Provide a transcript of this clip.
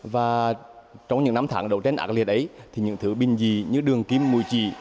và trong những năm tháng đấu tranh ác liệt ấy thì những thứ binh dì như đường kim mùi trì